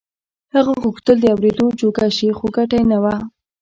هغه غوښتل د اورېدو جوګه شي خو ګټه يې نه وه.